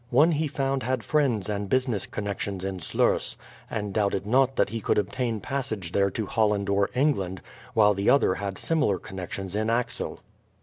One he found had friends and business connections in Sluys, and doubted not that he could obtain a passage there to Holland or England, while the other had similar connections in Axel.